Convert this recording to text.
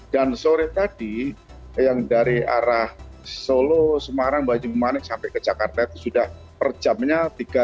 dan sore tadi yang dari arah solo semarang bajimanik sampai ke jakarta itu sudah perjamnya tiga empat ratus